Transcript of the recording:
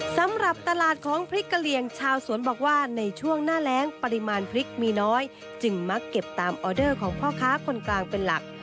สำหรับตลาดของพริกกะเหลี่ยงชาวสวนบอกว่าในช่วงหน้าแรงปริมาณพริกมีน้อยจึงมักเก็บตามออเดอร์ของพ่อค้าคนกลางเป็นหลัก